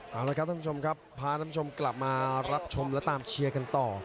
เอาละครับท่านผู้ชมครับพาท่านผู้ชมกลับมารับชมและตามเชียร์กันต่อ